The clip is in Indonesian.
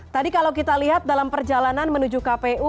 tadi kalau kita lihat dalam perjalanan menuju kpu